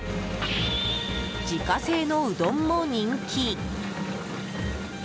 自家製のうどんも人気。